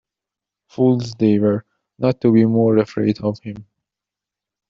Fools they were — not to be more afraid of him.